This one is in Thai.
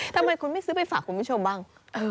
ทำไมคุณไม่ซื้อไปฝากคุณผู้ชมบ้าง